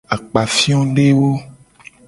Akpafiodewo.